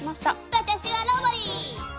私はロボリィ。